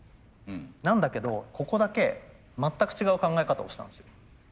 なんだけどここだけ全く違う考え方をしたんですよ。